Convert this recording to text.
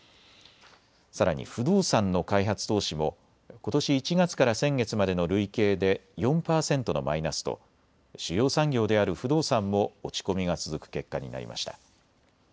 さらに不動産の開発投資もことし１月から先月までの累計で４％のマイナスと主要産業である不動産も落ち込みが続く結果になりました。